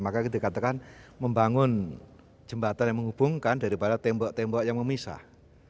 maka kita katakan membangun jembatan yang menghubungkan daripada tembok tembok yang memisah